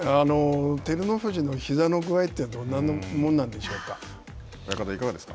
照ノ富士のひざの具合はどんなものなんでしょうか。